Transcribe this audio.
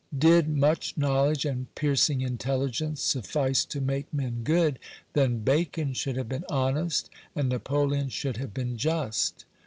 Did much knowledge and piercing intelligence suffice to make men good, then Bacon should have been honest, and Napoleon should have been just.